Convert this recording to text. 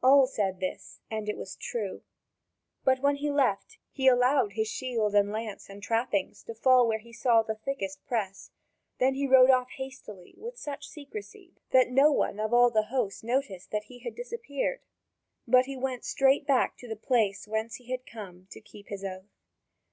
All said this, and it was true. But when he left, he allowed his shield and lance and trappings to fall where he saw the thickest press, then he rode off hastily with such secrecy that no one of all the host noticed that he had disappeared. But he went straight back to the place whence he had come, to keep his oath.